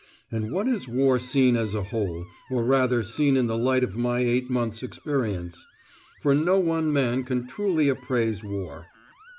And what is war seen as a whole, or rather seen in the light of my eight months' experience? For no one man can truly appraise war.